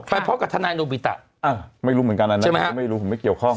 ไปพบกับทนายนูบิตะไม่รู้เหมือนกันนั้นนะใช่ไหมครับไม่รู้ผมไม่เกี่ยวข้อง